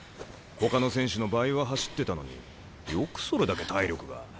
ほかの選手の倍は走ってたのによくそれだけ体力が。